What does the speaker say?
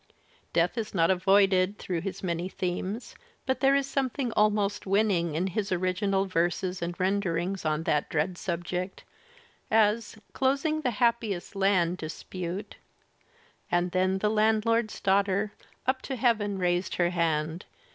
Death is not avoided through his many themes, but there is something almost winning in his original verses and renderings on ^th^ dread%subject — as, closing the 'Happiest Land' dispute '^••^, And then the landlord's daughter Up to heaven raised her hand.